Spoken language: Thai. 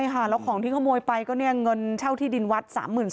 แล้วของที่ขโมยไปก็เงินเช่าที่ดินวัด๓๔๐๐